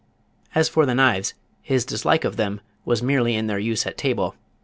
As for the knives, his dislike of them was merely in their use at table.